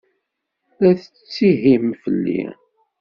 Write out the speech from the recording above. La tettihim fell-i?